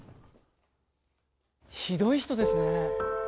ひどい人ですね。